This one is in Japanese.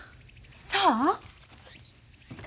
そう？